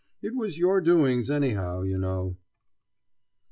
It was your doings, anyhow, you know.